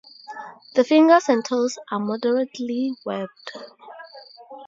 The fingers and toes are moderately webbed.